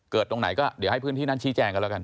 ตรงไหนก็เดี๋ยวให้พื้นที่นั้นชี้แจงกันแล้วกัน